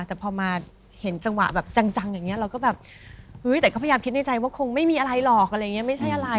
แต่พอมาเห็นจังหวะแบบจังอย่างนี้เราก็แบบเฮ้ยแต่ก็พยายามคิดในใจว่าคงไม่มีอะไรหรอกอะไรอย่างนี้ไม่ใช่อะไร